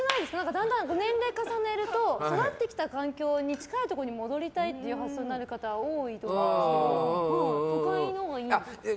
だんだん年齢重ねると育ってきた環境に近いところに戻りたい発想になる方が多いと思うんですけど都会のほうがいいんですか。